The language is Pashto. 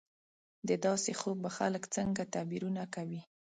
د داسې خوب به خلک څنګه تعبیرونه کوي